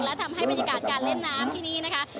และทำให้บรรยากาศการเล่นน้ำที่นี่นะคะ